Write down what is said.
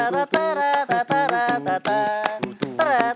ขอบคุณครับ